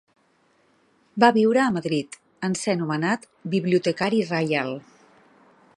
Va viure a Madrid en ser nomenat bibliotecari reial.